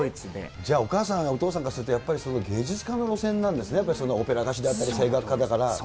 じゃあ、お母さんやお父さんからすると、芸術家のなんですね、やっぱオペラ歌手であったり、声楽家だから。